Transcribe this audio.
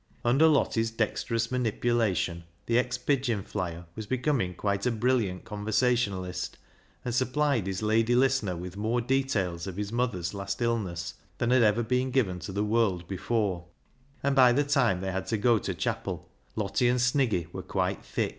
Under Lottie's dexterous manipulation the ex pigeon flyer was becoming quite a brilliant conversationalist, and supplied his lady listener with more details of his mother's last illness than had ever been given to the world before ; and by the time they had to go to chapel, Lottie and Sniggy were quite " thick."